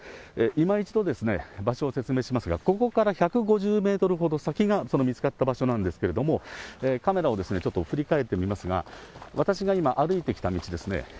今一度、場所を説明しますが、ここから１５０メートルほど先がその見つかった場所なんですけれども、カメラをちょっと振り返ってみますが、私が今、歩いてきた道ですね。